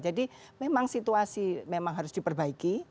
jadi memang situasi memang harus diperbaiki